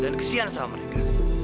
dan kesian sama mereka